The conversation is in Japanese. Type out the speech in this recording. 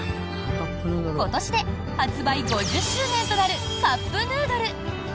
今年で発売５０周年となるカップヌードル。